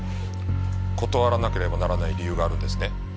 断らなければならない理由があるんですね？